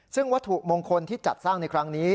ซึ่งวัตถุมงคลที่จัดสร้างในครั้งนี้